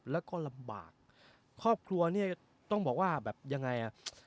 แล้วก็ลำบากครอบครัวเนี่ยต้องบอกว่าแบบยังไงอ่ะ